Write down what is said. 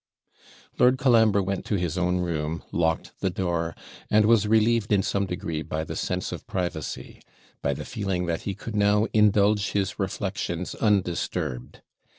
Lord Colambre went to his own room, locked the door, and was relieved in some degree by the sense of privacy; by the feeling that he could now indulge his reflections undisturbed.